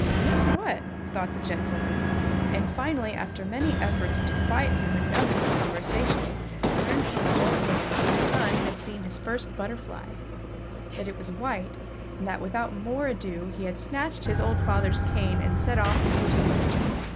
"Missed what?" thought the gentlemen, and finally after many efforts to quiet him enough for conversation learned from the old man that his son had seen his first butterfly, that it was white and that without more ado he had snatched his old father's cane and set off in pursuit.